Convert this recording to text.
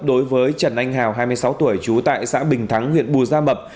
đối với trần anh hào hai mươi sáu tuổi trú tại xã bình thắng huyện bù gia mập